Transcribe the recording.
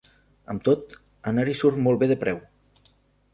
Amb tot, anar-hi surt molt bé de preu.